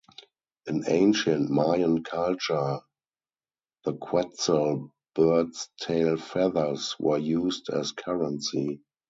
In ancient Mayan culture, the quetzal bird's tail feathers were used as currency.